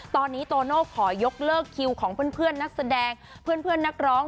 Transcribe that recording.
ตอนนี้โตโน่ขอยกเลิกคิวของเพื่อนนักแสดงเพื่อนนักร้อง